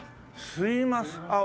すいませんあっ